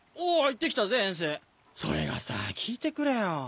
行って来たぜ遠征それがさぁ聞いてくれよ。